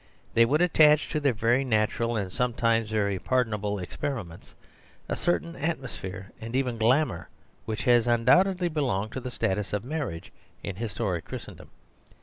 They would attach to their very natural and sometimes very pardonable ex periments a certain atmosphere, and even glamour, which has undoubtedly belonged to the status of marriage in historic Christendom.